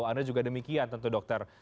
anda juga demikian tentu dokter